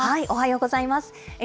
おはようございます。